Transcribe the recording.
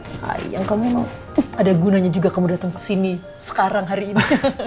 sayang kamu emang ada gunanya juga kamu datang kesini sekarang hari ini